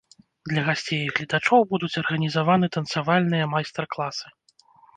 Для гасцей і гледачоў будуць арганізаваны танцавальныя майстар-класы.